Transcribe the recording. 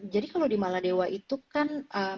jadi kalau di maladewa itu kan